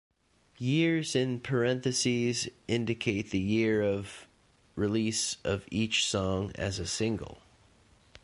Years in parentheses indicate the year of release of each song as a single.